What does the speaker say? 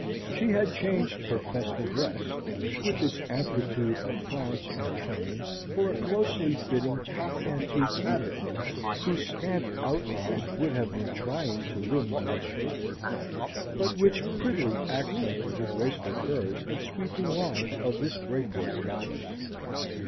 She had changed her festal dress, with its amplitude of flounce and train, for a closely fitting half antique habit whose scant outlines would have been trying to limbs less shapely, but which prettily accented the graceful curves and sweeping lines of this Greyport goddess.